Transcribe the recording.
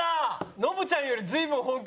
ノブちゃんより随分本格的。